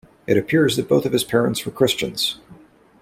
It appears that both of his parents were Christians.